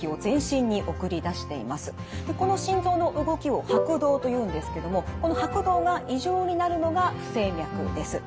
この心臓の動きを拍動というんですけどもこの拍動が異常になるのが不整脈です。